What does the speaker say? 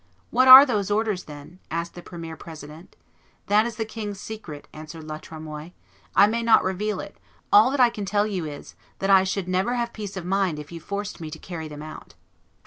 "What are those orders, then?" asked the premier president. "That is the king's secret," answered La Tremoille: "I may not reveal it; all that I can tell you is, that I should never have peace of mind if you forced me to carry them out."